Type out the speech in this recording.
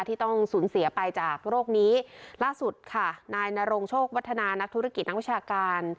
ที่ต้องสูญเสียไปจากโรคนี้ล่าสุดค่ะนายนรงโชควัฒนานักธุรกิจนักวิชาการ